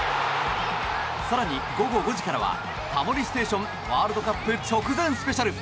更に午後５時からは「タモリステーション」ワールドカップ直前スペシャル！